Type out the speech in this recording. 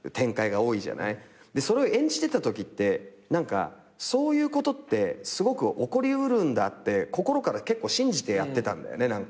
それを演じてたときってそういうことってすごく起こり得るんだって心から結構信じてやってたんだよね。